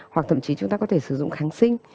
hoặc thậm chí chúng ta có thể sử dụng kháng sinh